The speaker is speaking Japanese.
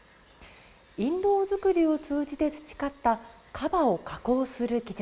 印籠作りを通じて培った樺を加工する技術。